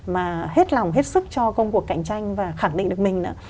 mà hết lòng hết sức cho công cuộc cạnh tranh và khẳng định được mình